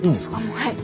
はい。